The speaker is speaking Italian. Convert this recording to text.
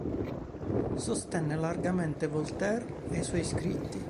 Sostenne largamente Voltaire ed i suoi scritti.